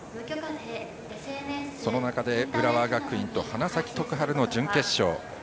その中で浦和学院と花咲徳栄の準決勝。